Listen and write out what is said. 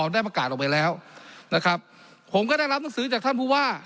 ได้ประกาศออกไปแล้วนะครับผมก็ได้รับหนังสือจากท่านผู้ว่า